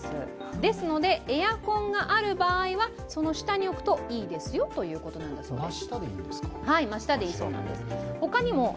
ですので、エアコンがある場合は、その下に置くといいですよということなんだそうです。